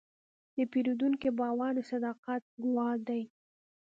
د پیرودونکي باور د صداقت ګواه دی.